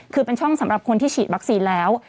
คือเป็นช่องสำหรับคนที่ฉีดวัคซีนแล้ว